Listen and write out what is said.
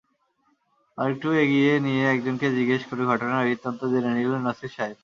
আরেকটু এগিয়ে গিয়ে একজনকে জিজ্ঞেস করে ঘটনার বৃত্তান্ত জেনে নিলেন নসিব সাহেব।